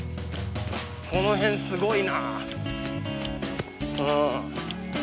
この辺すごいな。